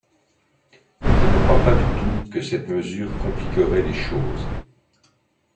Je ne crois pas du tout que cette mesure compliquerait les choses.